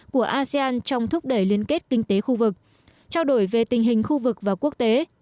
của asean trong thúc đẩy liên kết kinh tế khu vực trao đổi về tình hình khu vực và quốc tế